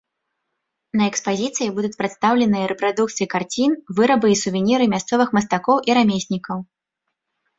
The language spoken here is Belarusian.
На экспазіцыі будуць прадстаўленыя рэпрадукцыі карцін, вырабы і сувеніры мясцовых мастакоў і рамеснікаў.